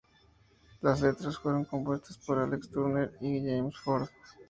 Las letras fueron compuestas por Alex Turner y James Ford.